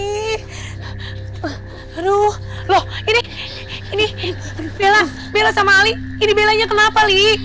aduh loh ini ini bella bella sama ali ini bellanya kenapa li